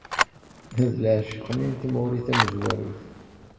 D leɛceq-nni n tmuɣli tamezwarut.